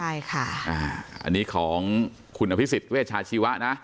ใช่ค่ะอันนี้ของคุณอภิษฎเวชาชีวะนะ